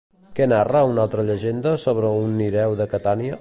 Què narra una altra llegenda sobre un Nireu de Catània?